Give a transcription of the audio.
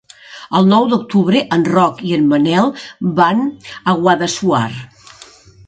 El nou d'octubre en Roc i en Manel van a Guadassuar.